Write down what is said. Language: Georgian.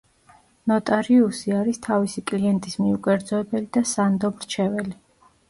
ნოტარიუსი არის თავისი კლიენტის მიუკერძოებელი და სანდო მრჩეველი.